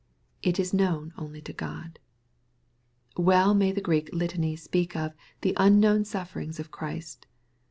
It is known only to Grod. Well may the Oreek Litany speak of the "unknown sufferings of Christ."